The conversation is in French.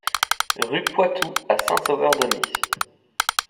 Rue Poitou à Saint-Sauveur-d'Aunis